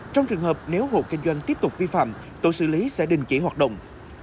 trong trường hợp nếu hộ kinh doanh tiếp tục vi phạm tổ xử lý sẽ đình chỉ hoạt động